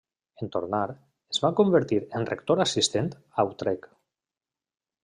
En tornar, es va convertir en rector assistent a Utrecht.